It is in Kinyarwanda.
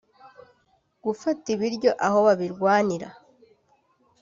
gufata ibiryo aho babirwanira